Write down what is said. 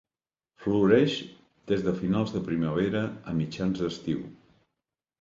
Floreix des de finals de primavera a mitjans d'estiu.